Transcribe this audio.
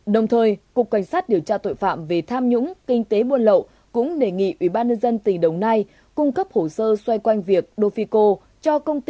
đồng thời cục cảnh sát điều tra tội phạm về tham nhũng kinh tế buôn lậu cũng đề nghị ủy ban nhân dân tỉnh đồng nai cung cấp hồ sơ xoay quanh việc dofico cho công ty